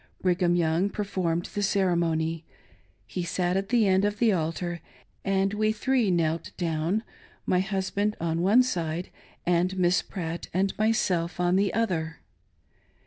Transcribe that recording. Brig ham Young performed the ceremony. He sat at the end of the altar and we three knelt down — my husband on one side and Miss Pratt and myself on the other.